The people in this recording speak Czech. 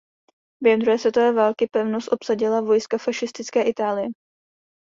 Během druhé světové války pevnost obsadila vojska fašistické Itálie.